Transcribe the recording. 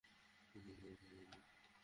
উনি খুব ভালো লোক।